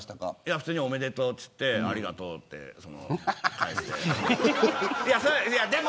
普通におめでとうつってありがとうって返して。